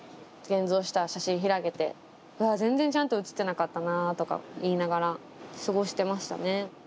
現像した写真ひらげて全然ちゃんと写ってなかったなとか言いながら過ごしてましたね。